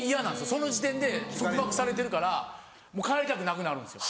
その時点で束縛されてるから帰りたくなくなるんですよ。